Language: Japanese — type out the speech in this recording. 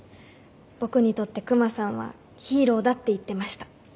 「僕にとってクマさんはヒーローだ」って言ってました。